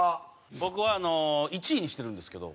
僕は１位にしてるんですけど。